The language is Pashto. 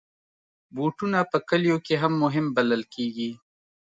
بوټونه په کلیو کې هم مهم بلل کېږي.